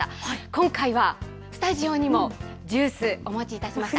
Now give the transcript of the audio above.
今回はスタジオにもジュース、お持ちいたしました。